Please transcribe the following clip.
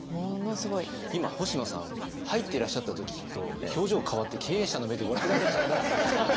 今星野さん入っていらっしゃった時と表情変わって経営者の目でご覧になっていて。